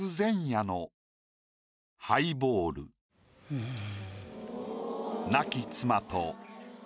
うん。